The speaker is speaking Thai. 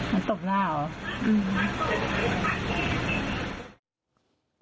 มันตบหน้าเหรอ